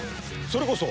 それこそ。